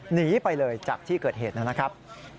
หนีไปเลยจากที่เกิดเหตุนะครับ